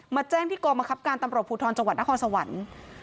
แจ้งที่กรมคับการตำรวจภูทรจังหวัดนครสวรรค์